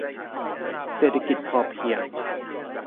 เศรษฐกิจพอเพียง